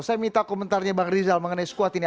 saya minta komentarnya bang rizal mengenai squad ini